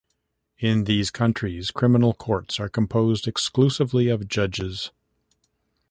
In these countries, criminal courts are composed exclusively of judges.